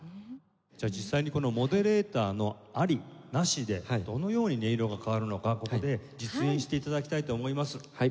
じゃあ実際にモデレーターのありなしでどのように音色が変わるのかここで実演して頂きたいと思います。